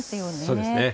そうですね。